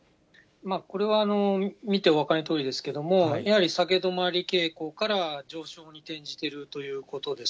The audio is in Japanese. これは見てお分かりのとおりですけれども、やはり下げ止まり傾向から上昇に転じているということです。